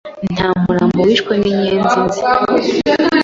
Nta murambo wishwe n’inyenzi nzi!!